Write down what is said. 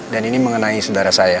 dan ini mengenai saudara saya